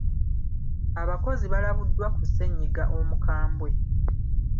Abakozi balabuddwa ku ssennyiga omukambwe.